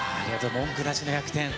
文句なしの１００点。